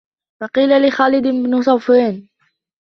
وَقِيلَ لِخَالِدِ بْنِ صَفْوَانَ